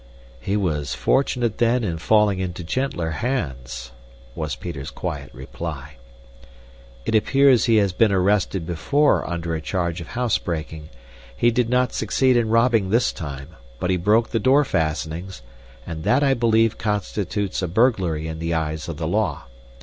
"He was fortunate, then, in falling into gentler hands," was Peter's quiet reply. "It appears he has been arrested before under a charge of housebreaking. He did not succeed in robbing this time, but he broke the door fastenings, and that I believe constitutes a burglary in the eyes of the law.